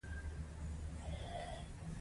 پاکې اوبه غوره څښاک دی